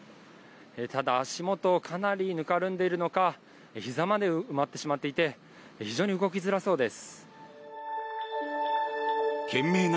ただ、足元かなりぬかるんでいるのかひざまで埋まってしまっていて非常に動きづらそうです。